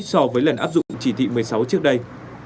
so với lần áp dụng chỉ thị một mươi sáu trước đây